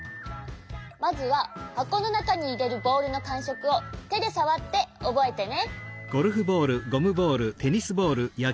まずははこのなかにいれるボールのかんしょくをてでさわっておぼえてね。